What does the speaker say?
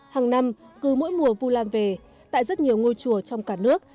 hàng năm cứ mỗi mùa vu lan về tại rất nhiều ngôi chùa trong cả nước